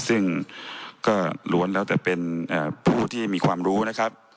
ซึ่งก็ล้วนแล้วแต่เป็นผู้ที่มีความรู้นะครับ